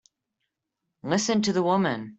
Listen to the woman!